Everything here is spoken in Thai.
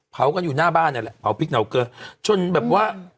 เผากันอยู่หน้าบ้านนั่นแหละเผาพริกเหนาเกลือจนแบบว่า